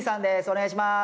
お願いします。